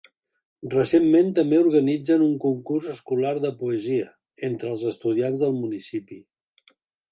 Recentment també organitzen un concurs escolar de poesia, entre els estudiants del municipi.